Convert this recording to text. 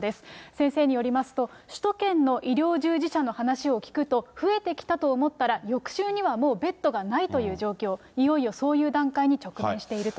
先生によりますと、首都圏の医療従事者の話を聞くと増えてきたと思ったら翌週にはもうベッドがないという状況、いよいよそういう段階に直面していると。